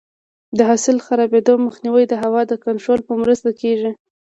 د حاصل د خرابېدو مخنیوی د هوا د کنټرول په مرسته کېږي.